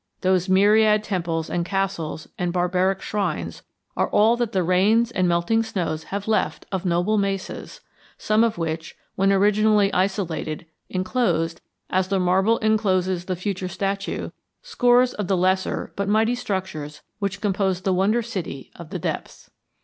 Those myriad temples and castles and barbaric shrines are all that the rains and melting snows have left of noble mesas, some of which, when originally isolated, enclosed, as the marble encloses the future statue, scores of the lesser but mighty structures which compose the wonder city of the depths.